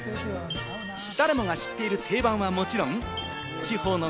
誰もが知っている定番はもちろん、地方の